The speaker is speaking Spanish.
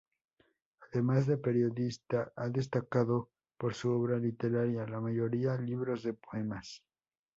Además de periodista, ha destacado por su obra literaria, la mayoría libros de poemas.